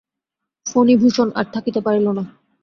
ফণিভূষণ আর থাকিতে পারিল না।